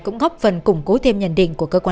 nhưng suốt đêm hôm qua